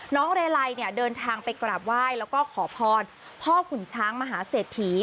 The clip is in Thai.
เรลัยเนี่ยเดินทางไปกราบไหว้แล้วก็ขอพรพ่อขุนช้างมหาเศรษฐี